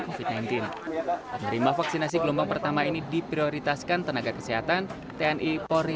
covid sembilan belas penerima vaksinasi gelombang pertama ini diprioritaskan tenaga kesehatan tni polri